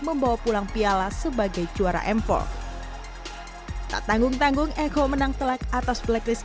membawa pulang piala sebagai juara m empat tak tanggung tanggung eko menang telak atas blacklist